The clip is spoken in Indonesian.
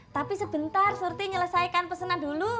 tapi sebentar surti menyelesaikan pesanan dulu